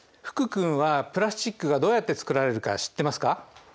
福君はプラスチックがどうやってつくられるか知ってますか？